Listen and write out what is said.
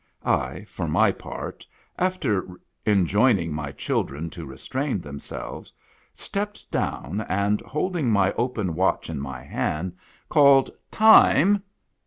I for my part, after enjoining my children to restrain themselves, stepped down, and, holding my open watch in my hand, called " Time